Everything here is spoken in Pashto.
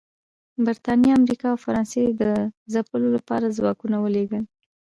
برېټانیا، امریکا او فرانسې د ځپلو لپاره ځواکونه ولېږل